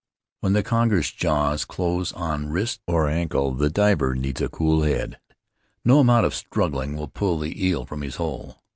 When the conger's jaws close on wrist or ankle, the diver needs a cool head; no amount of struggling will pull the eel from his hole.